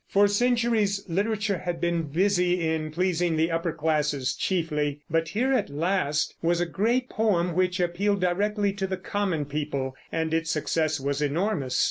For centuries literature had been busy in pleasing the upper classes chiefly; but here at last was a great poem which appealed directly to the common people, and its success was enormous.